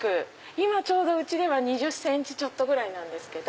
今ちょうどうちのは２０ｃｍちょっとぐらいです。